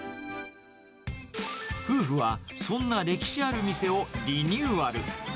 夫婦はそんな歴史ある店をリニューアル。